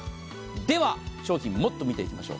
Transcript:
では商品もっと見ていきましょう。